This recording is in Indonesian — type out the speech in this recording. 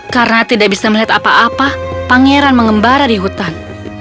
karena tidak bisa melihat apa apa pangeran mengembara di hutan